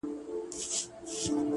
هـغــه اوس سيــمــي د تـــــه ځـــــي’